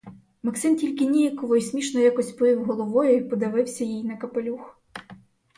Максим тільки ніяково й смішно якось повів головою й подивився їй на капелюх.